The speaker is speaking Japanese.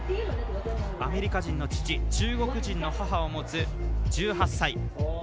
アメリカ人の父中国人の母をもつ１８歳。